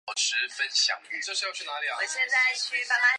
曾经获得金球奖和艾美奖。